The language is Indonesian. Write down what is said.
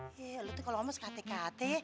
iya lu tuh kalau omos kate kate